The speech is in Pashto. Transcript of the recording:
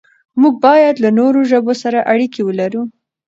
موږ بايد له نورو ژبو سره اړيکې ولرو.